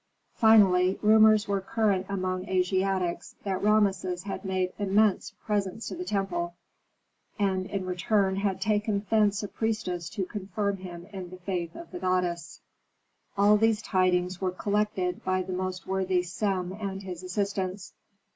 Finally, rumors were current among Asiatics that Rameses had made immense presents to the temple, and in return had taken thence a priestess to confirm him in the faith of the goddess. Another form of Astarte. All these tidings were collected by the most worthy Sem and his assistants.